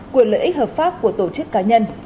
quyền lợi ích hợp pháp của tổ chức cá nhân